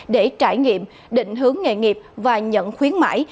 để trải nghiệm định hướng nghề nghiệp và nhận khuyến mãi